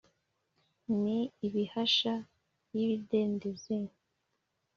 ni ibahasha y'ibidendezi.